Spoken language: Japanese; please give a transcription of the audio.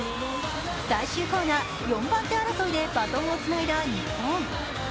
最終コーナー４番手争いでバトンをつないだ日本。